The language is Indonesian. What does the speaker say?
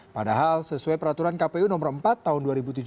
padahal sesuai peraturan kpu nomor empat tahun dua ribu tujuh belas